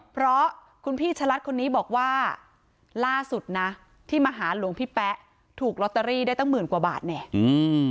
เพราะคุณพี่ชะลัดคนนี้บอกว่าล่าสุดนะที่มาหาหลวงพี่แป๊ะถูกลอตเตอรี่ได้ตั้งหมื่นกว่าบาทเนี่ยอืม